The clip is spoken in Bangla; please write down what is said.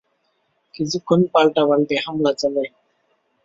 কিছুক্ষণ পাল্টা-পাল্টি হামলা চলে।